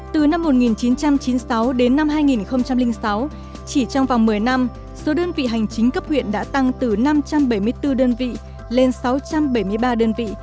từ năm một nghìn chín trăm chín mươi sáu đến năm hai nghìn sáu chỉ trong vòng một mươi năm số đơn vị hành chính cấp huyện đã tăng từ năm trăm bảy mươi bốn đơn vị lên sáu trăm bảy mươi ba đơn vị